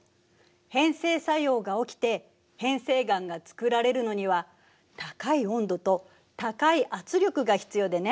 変成作用が起きて変成岩がつくられるのには高い温度と高い圧力が必要でね。